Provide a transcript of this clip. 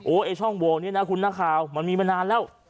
ไอ้ช่องโหวตนี้นะคุณนักข่าวมันมีมานานแล้ว